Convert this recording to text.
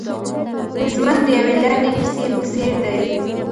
ژوند د یوې لنډې کیسې په څېر دی.